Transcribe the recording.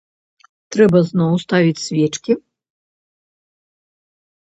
Трэба зноў ставіць свечкі?